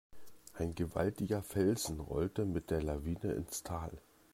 Ein gewaltiger Felsen rollte mit der Lawine ins Tal.